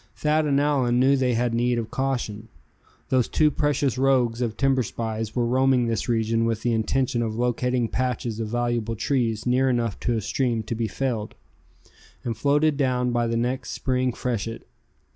Thad and Allan knew they had need of caution. Those two precious rogues of timber spies were roaming this region with the intention of locating patches of valuable trees near enough to a stream to be felled, and floated down by the next Spring freshet.